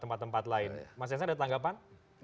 tempat tempat lain mas yansa ada tanggapan